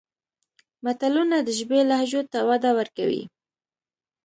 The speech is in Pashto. متلونه د ژبې لهجو ته وده ورکوي